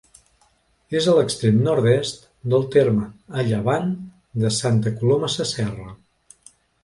És a l'extrem nord-est del terme, a llevant de Santa Coloma Sasserra.